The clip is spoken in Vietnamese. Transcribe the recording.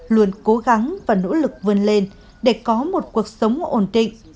luôn cố gắng và nỗ lực vươn lên để có một cuộc sống ổn định